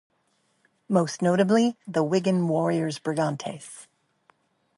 Most notably, the Wigan Warriors Brigantes.